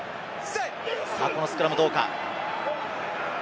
このスクラムどうか。